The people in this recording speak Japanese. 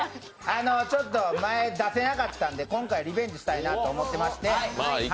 ちょっと前、出せなかったんで今回リベンジしたいなと思ってまして。